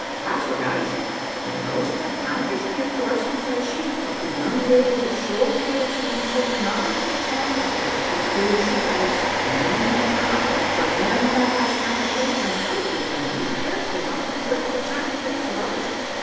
That's what I say ; but Elspeth conters me, of course, and says she, *If the young leddy was so careless o* insulting other folks* ancestors, it proves she has nane o' her ain; for them that has china plates themsel's is the maist careful no to break the china plates of others.